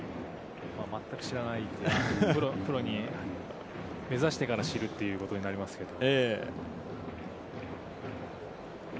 全く知らないプロに目指してから知るということになりますけど。